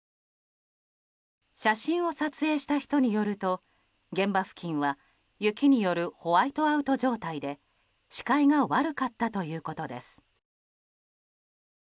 写真を撮影した人によると現場付近は雪によるホワイトアウト状態で視界が悪かったということです。